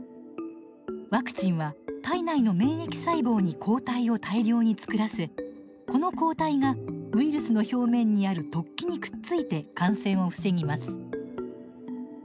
ワクチンは体内の免疫細胞に抗体を大量に作らせこの抗体がウイルスの表面にある突起にくっついて感染を防ぎます。